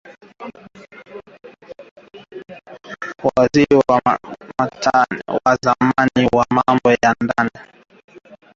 waziri wa zamani wa mambo ya ndani aliyetajwa na bunge kama waziri mkuu